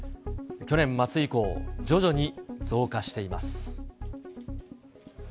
去年末以降、徐々に増加しています。